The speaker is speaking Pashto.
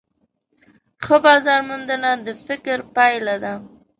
ښه بازارموندنه د فکر پایله ده.